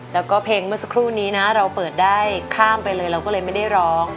แล้วก็เพลงเมื่อสักครู่นี้นะเราเปิดได้ข้ามไปเลยเราก็เลยไม่ได้ร้อง